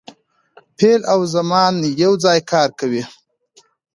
فعل او زمان یو ځای کار کوي.